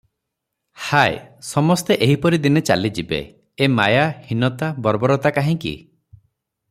ହାୟ! ସମସ୍ତେ ଏହିପରି ଦିନେ ଚାଲିଯିବେ- ଏମାୟା, ହୀନତା, ବର୍ବରତା କାହିଁକି?